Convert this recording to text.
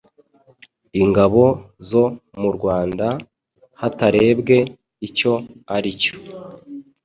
ingabo zo mu Rwanda hatarebwe icyo aricyo,